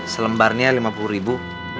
selembarnya lima puluh ribu